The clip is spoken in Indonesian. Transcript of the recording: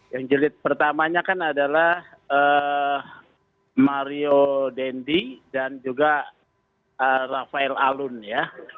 yang jelit pertamanya kan adalah mario dendi dan juga rafael alun ya